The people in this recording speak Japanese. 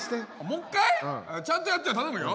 もう一回？ちゃんとやってよ頼むよ。